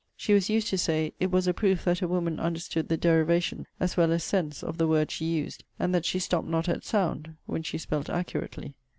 ] She was used to say, 'It was a proof that a woman understood the derivation as well as sense of the words she used, and that she stopt not at sound, when she spelt accurately.'